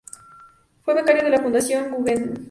Fue becario de la Fundación Guggenheim.